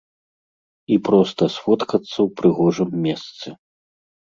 І проста сфоткацца ў прыгожым месцы.